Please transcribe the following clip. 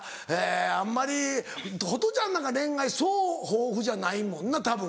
あんまりホトちゃんなんか恋愛そう豊富じゃないもんなたぶん。